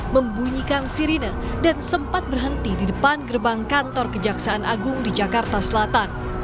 membunyikan sirine dan sempat berhenti di depan gerbang kantor kejaksaan agung di jakarta selatan